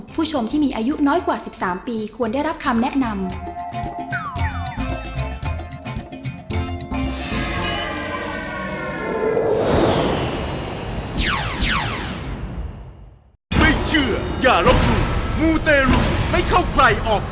ผู้ชมที่มีอายุน้อยกว่า๑๓ปีควรได้รับคำแนะนำ